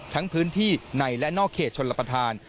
ทั้งพื้นที่ในและนอกเขตชนรับประทาน